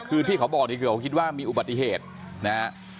คือที่เขาบอกนี่คือเขาคิดว่ามีอุบัติเหตุนะฮะ